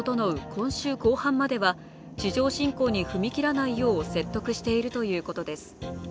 今週後半までは地上侵攻に踏み切らないよう説得しているということです。